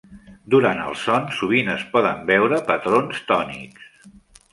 Durant el son, sovint es poden veure patrons tònics.